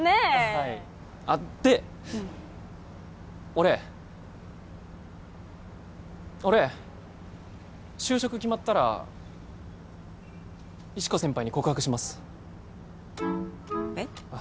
はいあっで俺俺就職決まったら石子先輩に告白しますえっ？